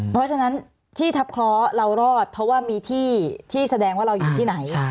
เพราะฉะนั้นที่ทัพเคราะห์เรารอดเพราะว่ามีที่ที่แสดงว่าเราอยู่ที่ไหน